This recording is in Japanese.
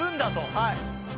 はい。